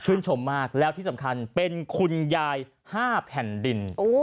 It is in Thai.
ชมมากแล้วที่สำคัญเป็นคุณยาย๕แผ่นดิน